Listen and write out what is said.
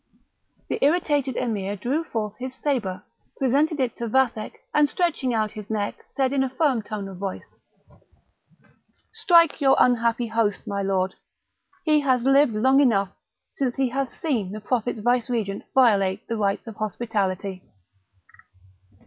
The irritated Emir drew forth his sabre, presented it to Vathek, and stretching out his neck, said in a firm tone of voice: "Strike your unhappy host, my lord! he has lived long enough, since he hath seen the Prophet's Vicegerent violate the rites of hospitality."